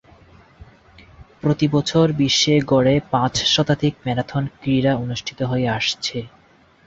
প্রতি বছর বিশ্বে গড়ে পাঁচ শতাধিক ম্যারাথন ক্রীড়া অনুষ্ঠিত হয়ে আসছে।